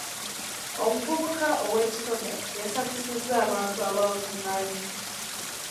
Omuvubuka ow'ekitone yasanyusizza abantu abaakungaanye.